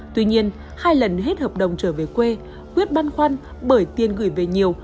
tuy nhiên hai lần hết hợp đồng trở về quê quyết băn khoăn bởi tiền gửi về nhiều